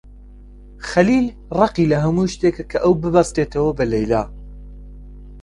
خەلیل ڕقی لە هەموو شتێکە کە ئەو ببەستێتەوە بە لەیلا.